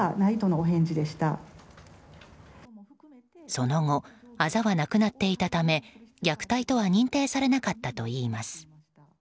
その後あざはなくなっていたため虐待とは認定されなかったといいます。